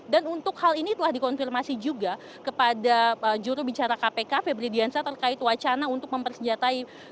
dan untuk hal ini telah dikonfirmasi juga kepada juru bicara kpk febri diansyah terkait wacana untuk mempersenjatai